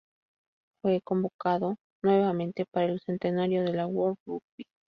Fue convocado nuevamente para el centenario de la World Rugby.